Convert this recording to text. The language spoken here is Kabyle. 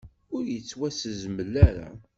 Ur yettwasezmel ara.